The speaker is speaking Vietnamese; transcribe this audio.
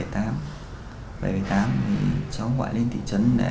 bảy trăm bảy mươi tám thì cháu gọi lên tỉ trấn để